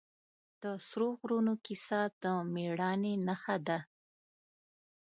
د سرو غرونو کیسه د مېړانې نښه ده.